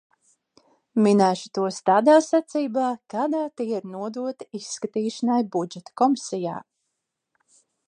Minēšu tos tādā secībā, kādā tie ir nodoti izskatīšanai Budžeta komisijā.